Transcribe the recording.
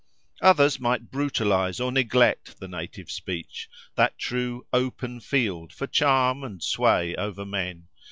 Others might brutalise or neglect the native speech, that true "open field" for charm and sway over men.